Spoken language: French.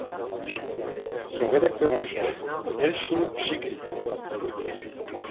Son rédacteur en chef est Elchin Shikhli.